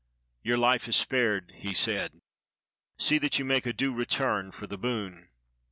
"Your Hfe is spared," he said. *'See that you make a due return for the boon."